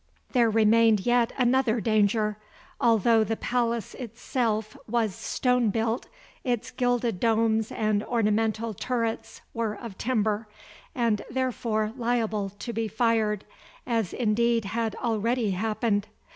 There remained yet another danger. Although the palace itself was stone built, its gilded domes and ornamental turrets were of timber, and therefore liable to be fired, as indeed had already happened.